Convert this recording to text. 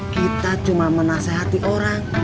kita cuma menasehati orang